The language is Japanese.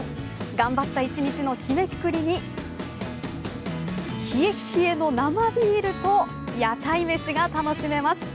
頑張った一日の締めくくりに冷えっ冷えの生ビールと屋台めしが楽しめます。